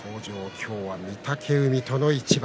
今日は御嶽海との一番。